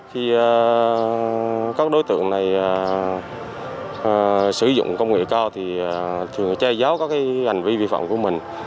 khi các đối tượng này sử dụng công nghệ cao thì thường che giấu các hành vi vi phạm của mình